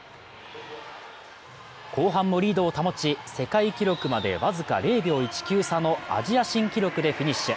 後半もリードを保ち世界記録まで僅か０秒１９差のアジア新記録でフィニッシュ。